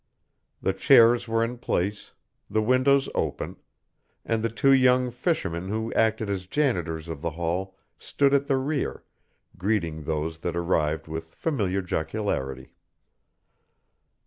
The chairs were in place, the windows open, and the two young fishermen who acted as janitors of the hall stood at the rear, greeting those that arrived with familiar jocularity.